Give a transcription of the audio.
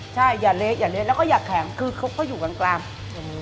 ใช่อย่าเละอย่าเละแล้วก็อย่าแข็งคือเขาก็อยู่กลางกลาง